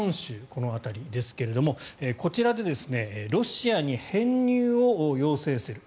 この辺りですけどもこちらでロシアに編入を要請する。